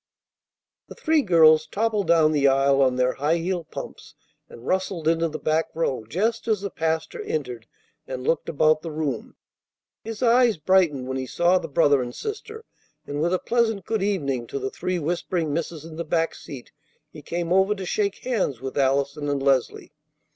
The three girls toppled down the aisle on their high heeled pumps, and rustled into the back row just as the pastor entered and looked about the room. His eyes brightened when he saw the brother and sister, and with a pleasant "Good evening" to the three whispering misses in the back seat he came over to shake hands with Allison and Leslie.